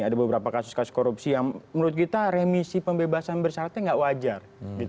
ada beberapa kasus kasus korupsi yang menurut kita remisi pembebasan bersyaratnya tidak wajar